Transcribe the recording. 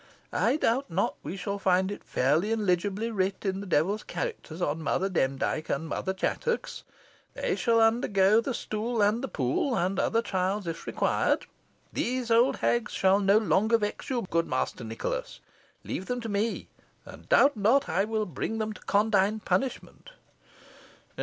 I doubt not we shall find it fairly and legibly writ in the devil's characters on Mother Demdike and Mother Chattox. They shall undergo the stool and the pool, and other trials, if required. These old hags shall no longer vex you, good Master Nicholas. Leave them to me, and doubt not I will bring them to condign punishment."